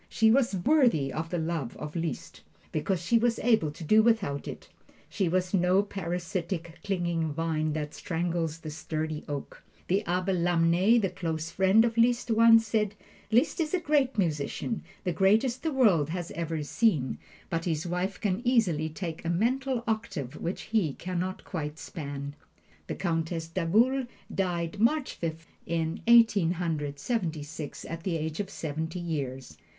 She was worthy of the love of Liszt, because she was able to do without it. She was no parasitic, clinging vine that strangles the sturdy oak. The Abbe Lamennais, the close friend of Liszt, once said, "Liszt is a great musician, the greatest the world has ever seen, but his wife can easily take a mental octave which he can not quite span." The Countess d'Agoult died March Fifth, in Eighteen Hundred Seventy six, at the age of seventy years.